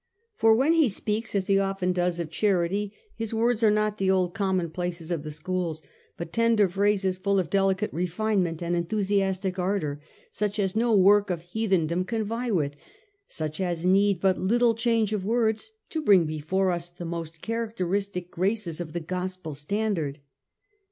For when he speaks, as he often does, of charity, his words are not the old common places of the schools, but tender phrases full of delicate refinement and enthusiastic ardour, such as no work of heathendom can vie with, such as need but little change of words to bring before us the most characteristic graces of the Gospel standard.